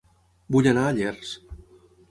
Vull anar a Llers